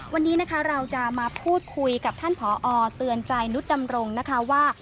วันนี้นะคะเราจะมาพูดคุยกับท่านผอเตือนใจนุษดำรงนะคะว่า